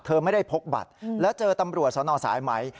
เธอไม่ได้พกบัตรแล้วเจอตำรวจสนสายไหม